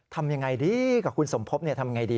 ทำอย่างไรดีกับคุณสมภพทำอย่างไรดี